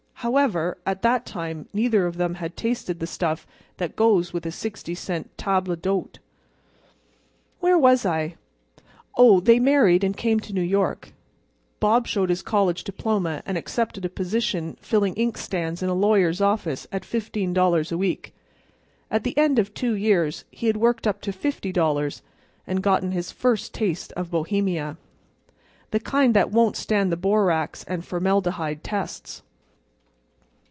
However, at that time neither of them had tasted the stuff that goes with a sixty cent table d'hôte. Where was I? Oh, they married and came to New York. Bob showed his college diploma, and accepted a position filling inkstands in a lawyer's office at $15 a week. At the end of two years he had worked up to $50, and gotten his first taste of Bohemia—the kind that won't stand the borax and formaldehyde tests.